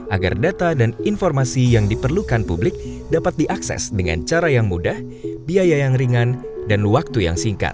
agar data dan informasi yang diperlukan publik dapat diakses dengan cara yang mudah biaya yang ringan dan waktu yang singkat